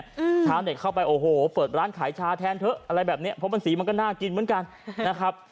ชาวเน็ตเข้าไปโอ้โหเปิดร้านขายชาแทนเถอะอะไรแบบเนี้ยเพราะมันสีมันก็น่ากินเหมือนกันนะครับ